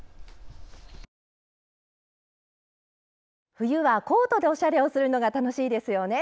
冬はコートでおしゃれをするのが楽しいですよね。